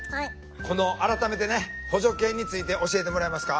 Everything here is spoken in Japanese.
この改めてね補助犬について教えてもらえますか？